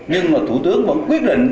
nhưng mà thủ tướng vẫn quyết định